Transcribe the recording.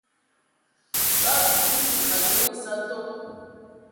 Ba vuvundu ayoŋ eza tok.